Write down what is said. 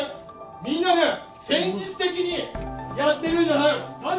みんなね戦術的にやってるんじゃないよ！